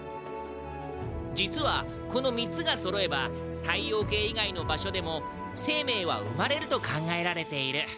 実はこの３つがそろえば太陽系以外の場所でも生命は生まれると考えられている。